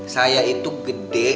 saya itu gede